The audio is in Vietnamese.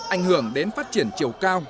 ảnh hưởng đến phát triển chiều cao